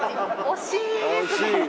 惜しい。